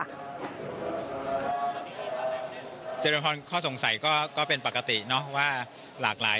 เจอห้องรักษาอาการป่วยของพระธรรมชายโยข้อสงสัยก็เป็นปกตินะว่าหลากหลาย